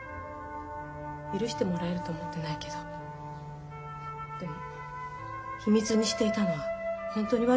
許してもらえると思ってないけどでも秘密にしていたのは本当に悪かったと思ってます。